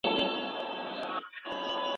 بې وزلي بايد ختمه سي.